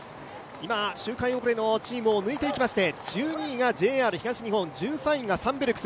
今、周回遅れのチームを抜いていきまして１２位がＪＲ東日本１３位がサンベルクス。